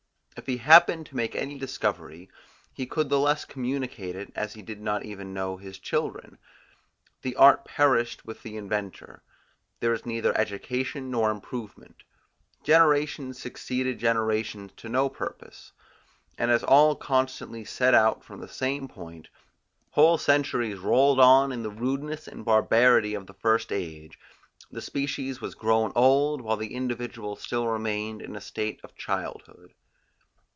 If he happened to make any discovery, he could the less communicate it as he did not even know his children. The art perished with the inventor; there was neither education nor improvement; generations succeeded generations to no purpose; and as all constantly set out from the same point, whole centuries rolled on in the rudeness and barbarity of the first age; the species was grown old, while the individual still remained in a state of childhood.